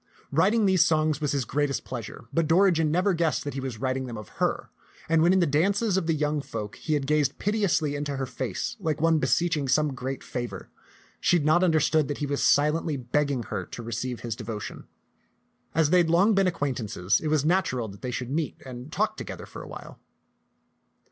Writing these songs was his greatest pleasure; but Dorigen never guessed that he was writing them of her, and when in the dances of the young folk he had gazed piteously into her face like one beseeching some great favor, she had not understood that he was silently begging her to receive his devotion. As they had long been acquaint ances, it was natural that they should meet and talk together for a while.